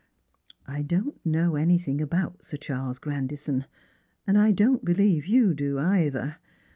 " I don't know anything about Sir Charles Grandison, and I don't believe you do, either.